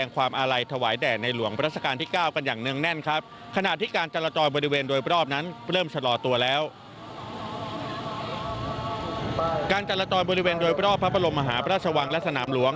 การจรอยบริเวณโดยรอบพระบรมมหาพระราชวังและสนามหลวง